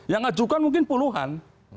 yang ajukan mungkin puluhan